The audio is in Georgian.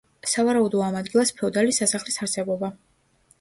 სავარაუდოა ამ ადგილას ფეოდალის სასახლის არსებობა.